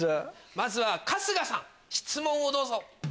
まずは春日さん質問をどうぞ。